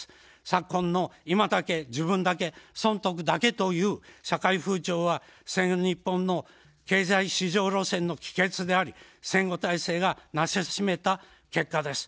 昨今の今だけ、自分だけ、損得だけという社会風潮は戦後日本の経済至上路線の帰結であり、戦後体制がなさしめた結果です。